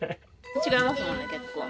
違いますよね結構。